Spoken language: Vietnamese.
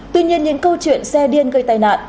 tuy nhiên những câu chuyện xe điên gây tai nạn